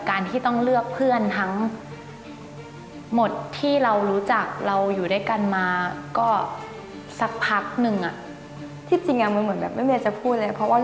ไม่ดีแค่นั้นเองที่ต้องแข่งกับวูม